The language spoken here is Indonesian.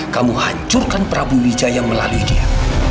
kamu hancurkan prabu wijaya melalui dia